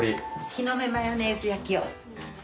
木の芽マヨネーズ焼きを。